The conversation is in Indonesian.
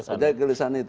ada kegelisahan itu